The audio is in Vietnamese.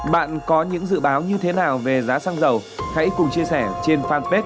bạn có những dự báo như thế nào về giá xăng dầu hãy cùng chia sẻ trên fanpage của truyền hình công an nhân dân